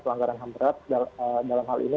pelanggaran hambrat dalam hal ini